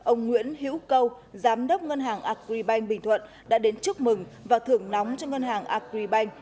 ông nguyễn hữu câu giám đốc ngân hàng agribank bình thuận đã đến chúc mừng và thưởng nóng cho ngân hàng agribank